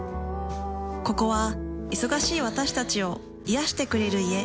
ここは忙しい私たちを癒してくれる家。